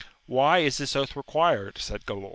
Why is this oath re quired 1 said Galaor.